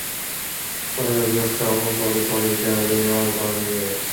Riders in the Sky also recorded their live album there.